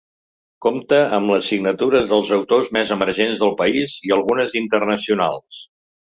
Compta amb les signatures dels autors més emergents del país i algunes d’internacionals.